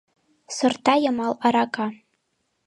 СОРТА ЙЫМАЛ АРАКА